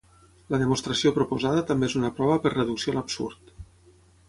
La demostració proposada també és una prova per reducció a l'absurd.